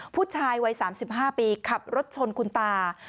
ผู้ชายวัย๓๕ปีขับรถชนคุณตา